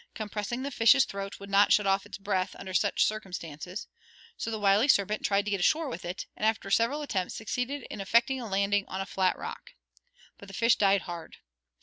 Compressing the fish's throat would not shut off its breath under such circumstances, so the wily serpent tried to get ashore with it, and after several attempts succeeded in effecting a landing on a flat rock. But the fish died hard.